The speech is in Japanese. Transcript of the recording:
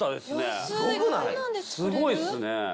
すごいっすね。